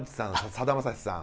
さだまさしさん